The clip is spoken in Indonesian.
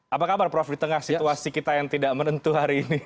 apa kabar prof di tengah situasi kita yang tidak menentu hari ini